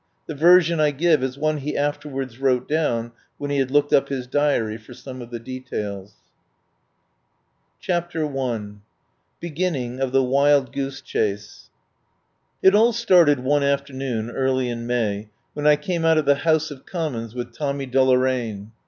The version I give is one he afterwards wrote down when he had looked up his diary for some of the details. CHAPTER I BEGINNING OF THE WILD GOOSE CHASE CHAPTER I BEGINNING OF THE WILD GOOSE CHASE T T all started one afternoon, early in May, * when I came out of the House of Com mons with Tommy Deloraine.